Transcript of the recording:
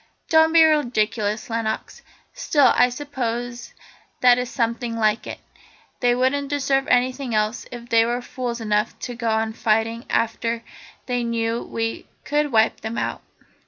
"Don't be ridiculous, Lenox. Still, I suppose that is something like it. They wouldn't deserve anything else if they were fools enough to go on fighting after they knew we could wipe them out."